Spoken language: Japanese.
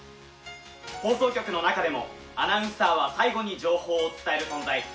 放送局の中でも、アナウンサーは最後に情報を伝える存在。